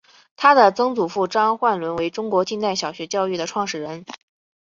她的曾祖父张焕纶为中国近代小学教育的创始人。